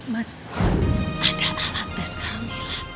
mes ada alat best hamil